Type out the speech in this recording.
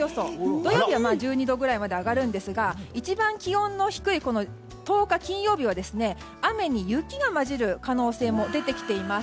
土曜日は１２度くらいまで上がるんですが一番気温の低い１０日の金曜日は雨に雪が交じる可能性も出てきています。